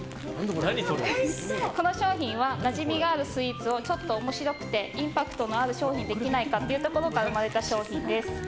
この商品は、なじみがあるスイーツをちょっと面白くてインパクトがある商品にできないかというところから生まれた商品です。